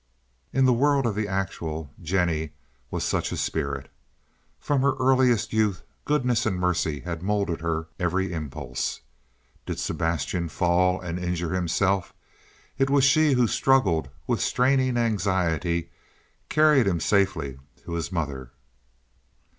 In the world of the actual, Jennie was such a spirit. From her earliest youth goodness and mercy had molded her every impulse. Did Sebastian fall and injure himself, it was she who struggled with straining anxiety, carried him safely to his mother.